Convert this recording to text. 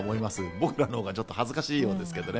僕らのほうが恥ずかしいようですけどね。